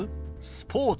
スポーツ。